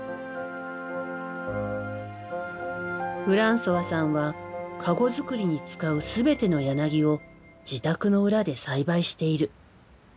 フランソワさんはかご作りに使うすべてのヤナギを自宅の裏で栽培している。